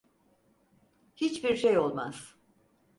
Hiçbir şey olmaz.